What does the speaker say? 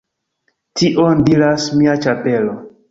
Tion diras mia ĉapelo